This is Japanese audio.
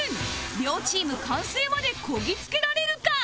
両チーム完成までこぎ着けられるか？